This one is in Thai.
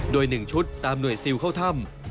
โดย๑ชุดตามหน่วยซิลเข้าถ้ำ